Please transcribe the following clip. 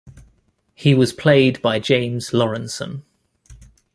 He was played by James Laurenson.